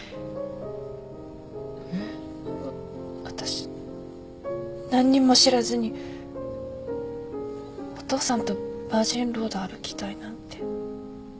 私何にも知らずにお父さんとバージンロード歩きたいなんて。